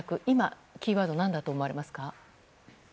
今、キーワードは何だと思われますか。